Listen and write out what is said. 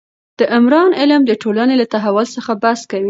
د عمران علم د ټولنې له تحول څخه بحث کوي.